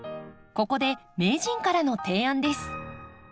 ここで名人からの提案です。